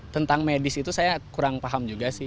tentang medis itu saya kurang paham juga sih